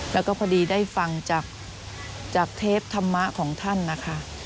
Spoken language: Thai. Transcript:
แล้วก็พอดีได้ฟังจากเทปธรรมะของท่านนะคะ